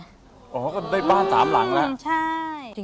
อ๋อก็ได้บ้าน๓หลังแล้วใช่